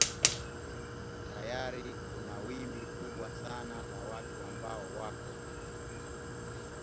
Tayari kuna wimbi kubwa sana la watu ambao wako